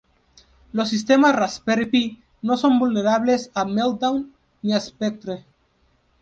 Los sistemas Raspberry Pi no son vulnerables a Meltdown ni a Spectre.